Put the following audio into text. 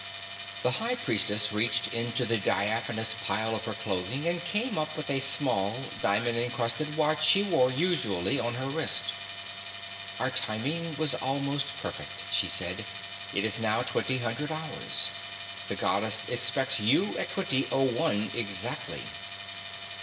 The High Priestess reached into the diaphanous pile of her clothing and came up with a small diamond encrusted watch she wore, usually, on her wrist. "Our timing was almost perfect," she said. "It is now twenty hundred hours. The Goddess expects you at twenty oh one exactly."